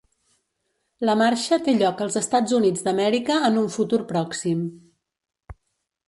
La Marxa té lloc als Estats Units d'Amèrica en un futur pròxim.